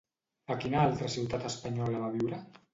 A quina altra ciutat espanyola va viure?